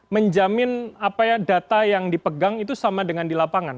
menjamin data yang dipegang itu sama dengan di lapangan